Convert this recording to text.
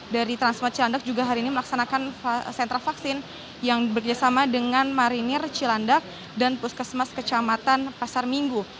dari transmart cilandak juga hari ini melaksanakan sentra vaksin yang bekerjasama dengan marinir cilandak dan puskesmas kecamatan pasar minggu